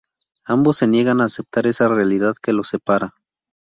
Ambos se niegan a aceptar esa realidad que los separa.